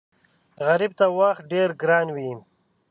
غریب ته وخت ډېر ګران وي